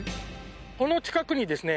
この近くにですね。